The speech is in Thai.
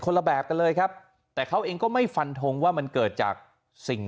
ละแบบกันเลยครับแต่เขาเองก็ไม่ฟันทงว่ามันเกิดจากสิ่ง